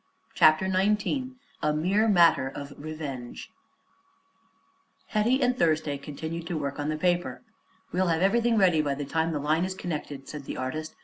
CHAPTER XIX A MERE MATTER OF REVENGE Hetty and Thursday continued to work on the paper. "We'll have everything ready by the time the line is connected," said the artist.